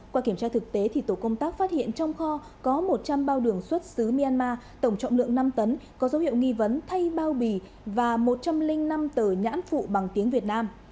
qua kiểm tra thực tế thì tổ công tác phát hiện trong kho có một trăm linh bao đường xuất xứ myanmar tổng trọng lượng năm tấn có dấu hiệu nghi vấn thay bao bì và một trăm linh năm tờ nhãn phụ bằng tiếng việt nam